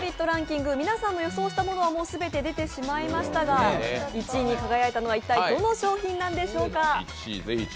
ランキング、皆さんの予想したものはもう全て出てしまいましたが、１位に輝いたのは一体どの商品なんでしょうか。